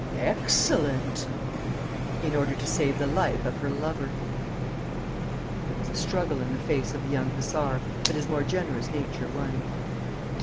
'Excellent!' 'In order to save the life of her lover.' There was a struggle in the face of the young hussar, but his more generous nature won.